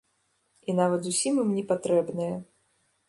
І нават зусім ім не патрэбнае.